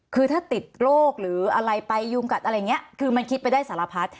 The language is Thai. คือถ้าติดโรคหรืออะไรไปยุงกัดอะไรอย่างนี้คือมันคิดไปได้สารพัด